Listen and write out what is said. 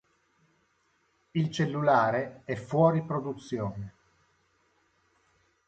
Il cellulare è fuori produzione.